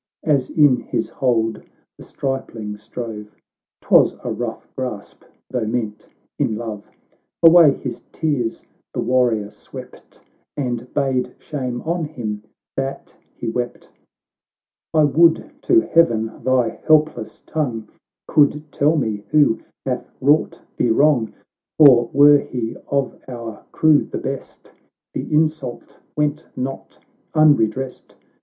As in his hold the stripling strove, — ('Twas a rough grasp, though meant in love,) Away his tears the warrior swept, And bade shame on him that he wept. "I would to heaven, thy helpless tongue Could tell me who hath wrought thee wrong ! For, were he of our crew the best, The insult went not unredressed.